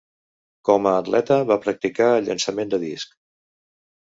Com a atleta va practicar el llançament de disc.